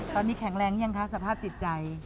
ตอนนี้แข็งแรงยังคะสภาพจิตใจ